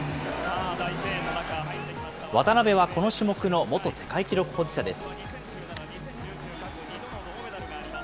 渡辺はこの種目の元世界記録保持者です。